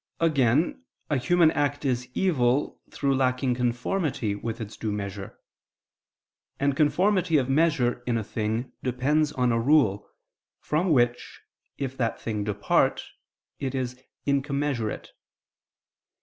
Again, a human act is evil through lacking conformity with its due measure: and conformity of measure in a thing depends on a rule, from which if that thing depart, it is incommensurate.